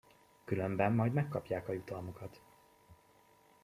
Különben majd megkapják a jutalmukat.